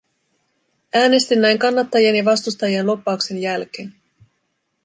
Äänestin näin kannattajien ja vastustajien lobbauksen jälkeen.